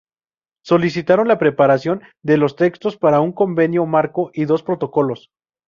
Solicitaron la preparación de los textos para un convenio marco y dos protocolos.